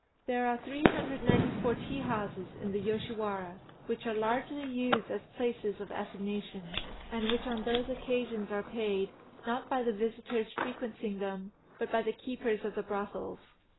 There are 394 tea houses in the Yoshiwara, which are largely used as places of assignation, and which on those occasions are paid, not by the visitors frequenting them, but by the keepers of the brothels.